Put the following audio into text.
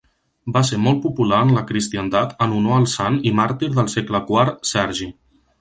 Va ser molt popular en la cristiandat en honor al sant i màrtir del segle IV Sergi.